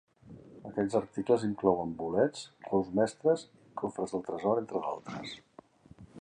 Aquests articles inclouen bolets, claus mestres i cofres del tresor, entre d'altres.